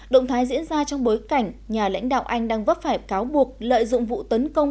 động thái diễn ra trong bối cảnh nhà lãnh đạo anh đang vấp phải cáo buộc lợi dụng vụ tấn công